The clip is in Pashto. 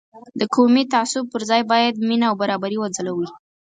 د قومي تعصب پر ځای باید مینه او برابري وځلوي.